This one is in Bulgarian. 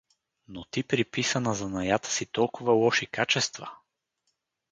— Но ти приписа на занаята си толкова лоши качества?